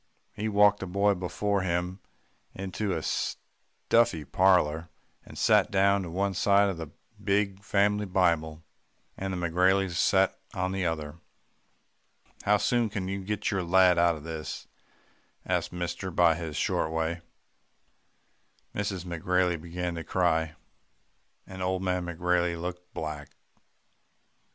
He walked the boy before him into the stuffy parlour, and sat down on one side of the big family Bible, and the McGraileys sat on the other. "'How soon can you get your lad out of this?' asked mister in his short way. "Mrs. McGrailey began to cry, and old man McGrailey looked black.